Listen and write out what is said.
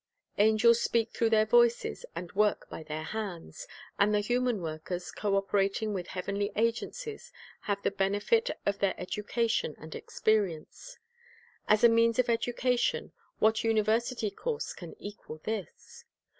Angels speak through their voices, and work by their hands. And the human workers, co operating with heavenly agencies, have the benefit of their educa tion and experience. As a means of education, what "university course" can equal this?